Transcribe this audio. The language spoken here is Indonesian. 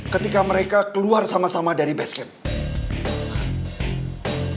ketika mereka keluar sama sama dari basket